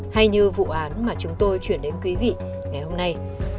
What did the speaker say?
hay như vụ án mà chúng tôi chuyển đến quý vị ngày hôm nay